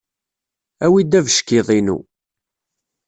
Awi-d abeckiḍ-inu.